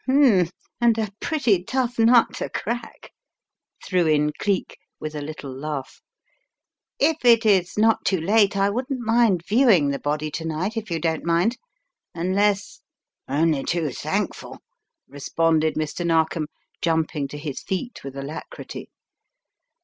"H'm, and a pretty tough nut to crack," threw in Geek with a little laugh. "If it is not too late I wouldn't mind viewing the body to night, if you don't mind. Unless " "Only too thankful," responded Mr. Narkom, jumping to his feet with alacrity.